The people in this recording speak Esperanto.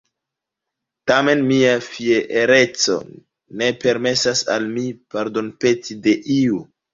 Tamen mia fiereco ne permesas al mi pardonpeti de iu.